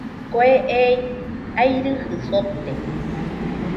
Kue ei airɨjɨ sote.